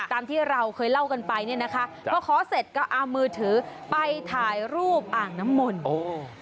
ตามที่เราเคยเล่ากันไปเนี่ยนะคะพอขอเสร็จก็เอามือถือไปถ่ายรูปอ่างน้ำมนต์โอ้